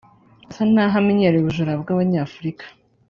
asa n’aho amenyereye ubujura bw’Abanyafurika